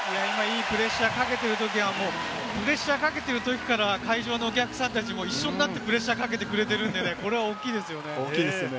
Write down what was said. プレッシャーかけてるときはプレッシャーかけてるときから会場のお客さんたちも一緒になってプレッシャーかけてくれてるんで、これは大きいですよね。